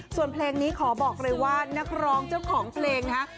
ส่วนเพลงนี้ขอบอกเลยว่านักร้องเจ้าของเพลงนะฮะ